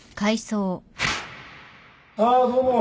ああどうも